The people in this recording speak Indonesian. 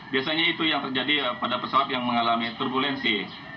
biasanya itu yang terjadi pada pesawat yang mengalami turbulensi